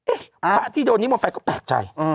เอ๊ะพระที่โดนนี้บนไปก็แปลกใจ